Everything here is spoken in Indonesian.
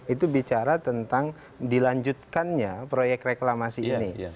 itu bicara tentang dilanjutkannya proyek reklamasi ini